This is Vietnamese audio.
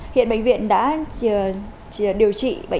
hiện bệnh viện đã điều trị bệnh nhân